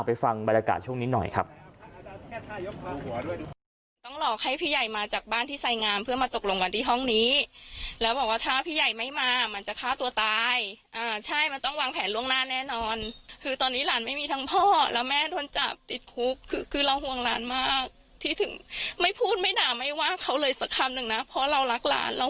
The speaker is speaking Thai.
ฟังบรรยากาศช่วงนี้หน่อยครับ